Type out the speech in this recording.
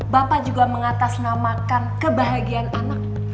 bapak juga mengatasnamakan kebahagiaan anak